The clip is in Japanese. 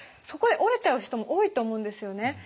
そこで折れちゃう人も多いと思うんですよね。